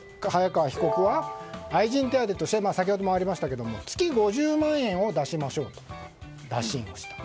会って、早川被告は愛人手当として先ほどもありましたが月５０万円を出しましょうと打診をしたと。